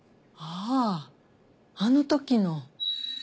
あああのときの。